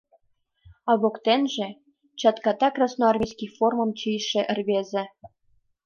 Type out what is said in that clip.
А воктенже — чатката красноармейский формым чийыше рвезе.